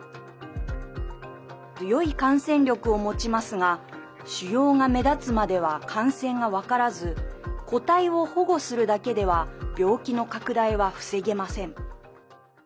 強い感染力を持ちますが腫瘍が目立つまでは感染が分からず個体を保護するだけでは病気の拡大は防げません。